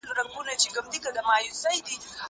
زه پرون زده کړه کوم!؟